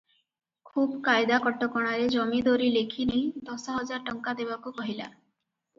ଖୁବ୍ କାଏଦା କଟକଣାରେ ଜମିଦରୀ ଲେଖି ନେଇ ଦଶ ହଜାର ଟଙ୍କା ଦେବାକୁ କହିଲା ।